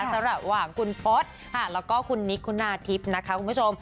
สำหรับหว่างคุณพฤษฎ์แล้วก็คุณนิ๊กคุณนาธิบนะคะคุณผู้ชม